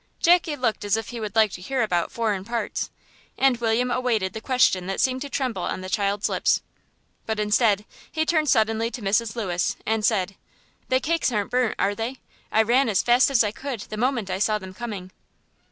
Jackie looked as if he would like to hear about "foreign parts," and William awaited the question that seemed to tremble on the child's lips. But, instead, he turned suddenly to Mrs. Lewis and said "The cakes aren't burnt, are they? I ran as fast as I could the moment I saw them coming."